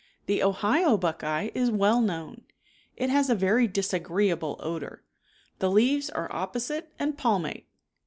The Ohio buck eye is well known. It has a very disagreeable odor. The leaves are opposite and palmate.